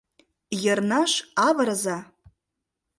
Йырнаш авырыза!